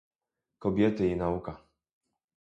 Kobiety i nauka